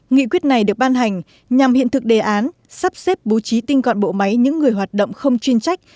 nghị quyết này được ban hành nhằm hiện thực đề án sắp xếp bố trí tinh gọn bộ máy những người hoạt động không chuyên trách